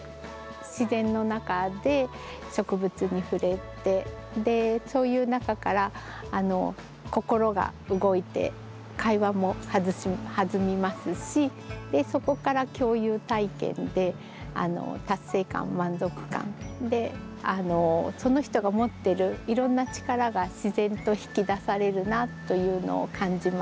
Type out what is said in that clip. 自然の中で植物にふれてでそういう中から心が動いて会話もはずみますしそこから共有体験で達成感満足感でその人が持ってるいろんな力が自然と引き出されるなというのを感じます。